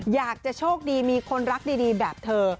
อยากจะโชคดีมีคนรักดีแบบเธอ